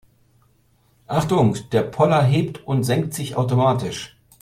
Achtung, der Poller hebt und senkt sich automatisch.